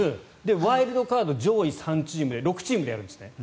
ワイルドカード、上位３チームで６チームでやるんです。